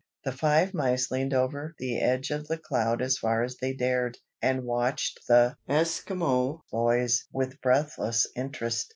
The five mice leaned over the edge of the cloud as far as they dared, and watched the Esquimaux boys with breathless interest.